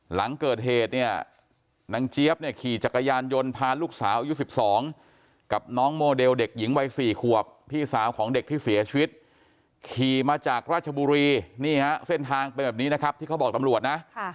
หลังเกิดเหตุเนี่ยนางเจี๊ยบเนี่ยขี่จักรยานยนต์พาลูกสาวอายุ๑๒กับน้องโมเดลเด็กหญิงวัย๔ขวบพี่สาวของเด็กที่เสียชีวิตขี่มาจากราชบุรีนี่ฮะเส้นทางเป็นแบบนี้นะครับที่เขาบอกตำรวจนะ